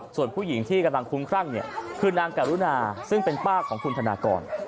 ส่วนผู้หญิงที่กำลังคุ้มครั่งเนี่ยคือนางกรุณาซึ่งเป็นป้าของคุณธนากร